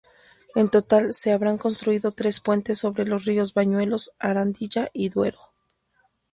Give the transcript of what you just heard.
En total se habrán construido tres puentes sobre los ríos Bañuelos, Arandilla y Duero.